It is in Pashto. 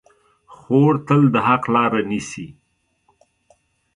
خور تل د حق لاره نیسي.